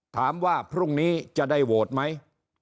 ถามว่าพรุ่งนี้จะได้โหวตไหม